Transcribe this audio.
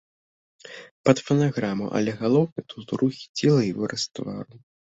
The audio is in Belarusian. Пад фанаграму, але галоўнае тут рухі цела і выраз твару.